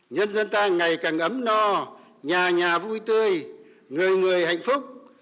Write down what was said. nhân dân ta ngày càng ấm no nhà nhà vui tươi người người hạnh phúc